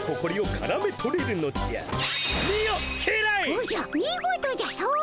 おじゃ見事じゃ掃除や。